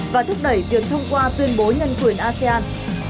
và thúc đẩy việc thông qua tuyên bố nhân quyền asean